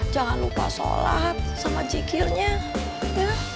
jangan lupa sholat sama jikirnya